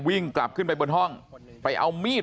วิ่งกลับขึ้นไปบนห้องไปเอามีด